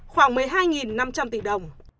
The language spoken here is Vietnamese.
khoảng một mươi hai năm trăm linh tỷ đồng